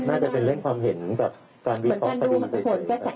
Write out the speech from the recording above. น่าจะเป็นเรื่องความเห็นกับการดูของประวัติศาสตร์